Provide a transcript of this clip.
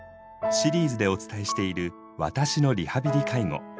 シリーズでお伝えしている「私のリハビリ・介護」。